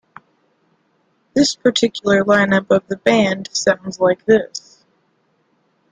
This particular lineup of the band sounded like this.